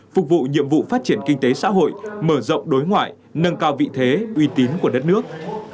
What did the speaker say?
phục vụ nhiệm vụ phát triển kinh tế xã hội mở rộng đối ngoại nâng cao vị thế uy tín của đất nước